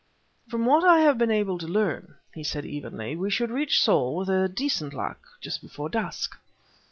"From what I have been able to learn," he said, evenly, "we should reach Saul, with decent luck, just before dusk."